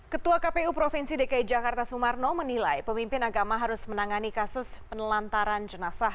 ketua kpu provinsi dki jakarta sumarno menilai pemimpin agama harus menangani kasus penelantaran jenazah